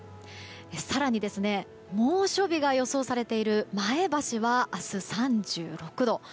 更に猛暑日が予想されている前橋は明日、３６度。